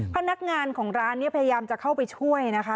พนักงานของร้านเนี่ยพยายามจะเข้าไปช่วยนะคะ